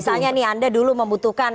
misalnya nih anda dulu membutuhkan